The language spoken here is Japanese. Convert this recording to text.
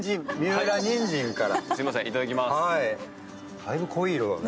だいぶ濃い色だね。